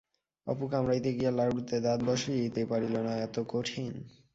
অপু কামড়াইতে গিয়া লাড়ুতে দাঁত বসাইতে পারিল না, এত কঠিন।